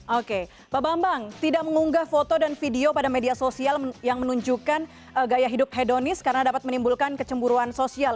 oke pak bambang tidak mengunggah foto dan video pada media sosial yang menunjukkan gaya hidup hedonis karena dapat menimbulkan kecemburuan sosial